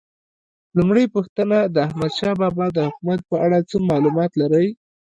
لومړۍ پوښتنه: د احمدشاه بابا د حکومت په اړه څه معلومات لرئ؟